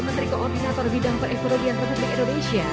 menteri koordinator bidang perekonomian pertama di indonesia